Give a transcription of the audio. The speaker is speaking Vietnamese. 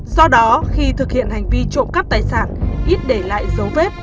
do đó khi thực hiện hành vi trộm cắp tài sản ít để lại dấu vết